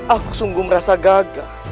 aku sungguh merasa gagal